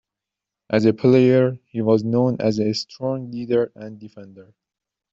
As a player, he was known as a strong leader and defender.